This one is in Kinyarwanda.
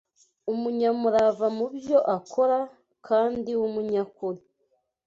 umunyamurava mu byo akora, kandi w’umunyakuri